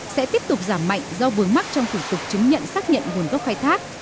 sẽ tiếp tục giảm mạnh do vướng mắt trong cục cục chứng nhận xác nhận nguồn gốc khai thác